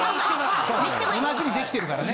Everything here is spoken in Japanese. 同じにできてるからね